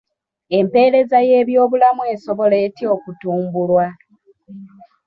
Empereza y'ebyobulamu esobola etya okutumbulwa?